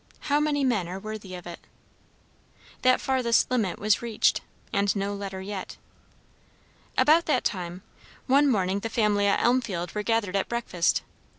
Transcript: How many men are worthy of it? That farthest limit was reached, and no letter yet. About that time, one morning the family at Elmfield were gathered at breakfast.